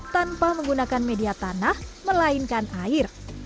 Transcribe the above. tanpa menggunakan media tanah melainkan air